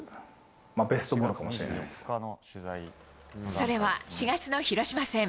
それは４月の広島戦。